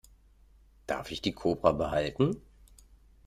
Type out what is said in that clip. Darf ich die Kobra behalten?